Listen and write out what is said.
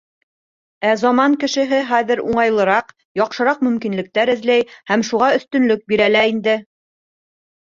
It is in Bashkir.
Ә заман кешеһе хәҙер уңайлыраҡ, яҡшыраҡ мөмкинлектәр эҙләй һәм шуға өҫтөнлөк бирә лә инде.